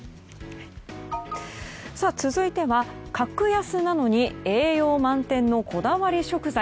続いては、格安なのに栄養満点のこだわり食材。